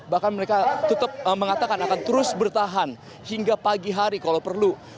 bahkan mereka tetap mengatakan akan terus bertahan hingga pagi hari kalau perlu